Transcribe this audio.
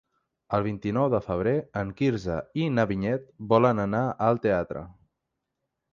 El vint-i-nou de febrer en Quirze i na Vinyet volen anar al teatre.